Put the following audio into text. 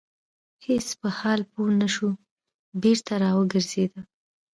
هیڅ په حال پوه نه شو بېرته را وګرځيده.